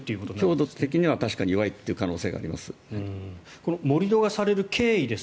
強度的には確かに弱いという可能性があります。